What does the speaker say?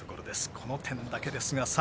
この点だけですが。